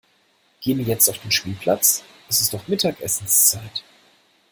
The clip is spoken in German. Gehen die jetzt auf den Spielplatz? Es ist doch Mittagessenszeit.